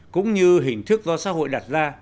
cũng như hình thức do xã hội đặt ra